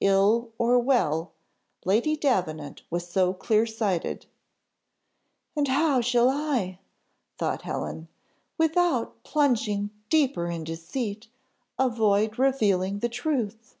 ill or well, Lady Davenant was so clear sighted. "And how shall I," thought Helen, "without plunging deeper in deceit, avoid revealing the truth?